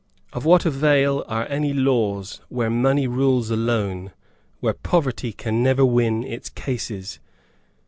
Of what avail are any laws, where money rules alone, Where Poverty can never win its cases?